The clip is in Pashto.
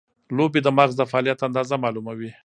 لوبې د مغز د فعالیت اندازه معلوموي.